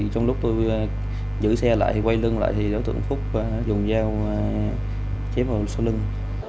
trong lúc tôi giữ xe lại quay lưng lại thì đối tượng phúc dùng dao chép vào xô lưng